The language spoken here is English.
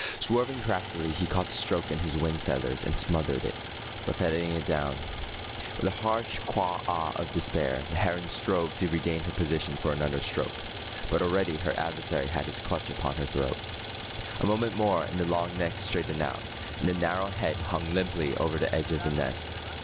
Swerving craftily, he caught the stroke in his wing feathers and smothered it, buffeting it down. With a harsh quah ah of despair, the heron strove to regain her position for another stroke. But already her adversary had his clutch upon her throat. A moment more and the long neck straightened out, and the narrow head hung limply over the edge of the nest.